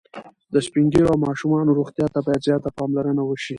د سپین ږیرو او ماشومانو روغتیا ته باید زیاته پاملرنه وشي.